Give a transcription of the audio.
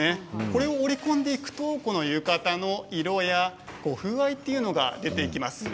これを織り込んでいくと浴衣の色や風合いが出てきます。